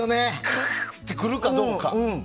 かーってくるかどうか。